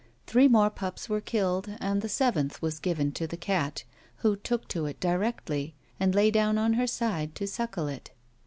Three more pups were killed, and the seventh was given to the cat, who took to it directly, and lay down on her side to suckle it.